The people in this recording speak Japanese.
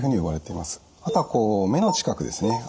あとは目の近くですね